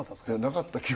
「なかった清」。